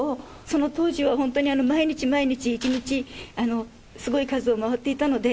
その当時は本当に、毎日毎日、１日すごい数を回っていたので。